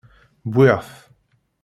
Wwiɣ-t.